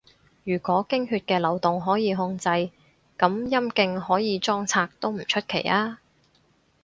如果經血嘅流動可以控制，噉陰莖可以裝拆都唔出奇吖